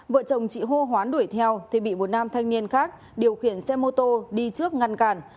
vợ chồng chị hô hoán đuổi theo thì bị một nam thanh niên khác điều khiển xe mô tô đi trước ngăn cản